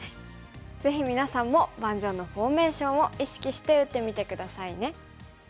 ぜひみなさんも盤上のフォーメーションを意識して打ってみて下さいね。